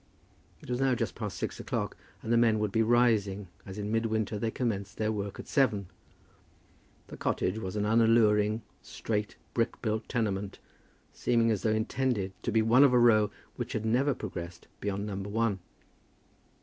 It was now just past six o'clock, and the men would be rising, as in midwinter they commenced their work at seven. The cottage was an unalluring, straight brick built tenement, seeming as though intended to be one of a row which had never progressed beyond Number One.